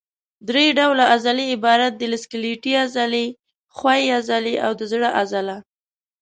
درې ډوله عضلې عبارت دي له سکلیټي عضلې، ښویې عضلې او د زړه عضله.